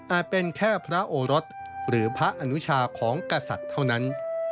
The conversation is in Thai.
เป็นแค่พระโอรสหรือพระอนุชาของกษัตริย์เท่านั้น